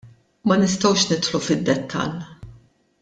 Ma nistgħux nidħlu fid-dettall.